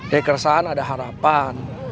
dari keresahan ada harapan